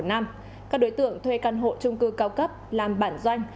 các đối tượng thuê căn hộ trung cư cao cấp làm bản doanh